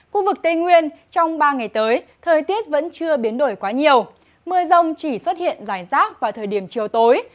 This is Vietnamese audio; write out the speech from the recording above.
khu vực tây nguyên trong ba ngày tới thời tiết vẫn chưa biến đổi quá nhiều mưa rông chỉ xuất hiện rải rác vào thời điểm chiều tối